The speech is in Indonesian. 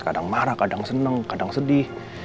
kadang marah kadang seneng kadang sedih